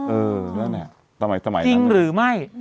เออแล้วไนยะณจริงหรือไม่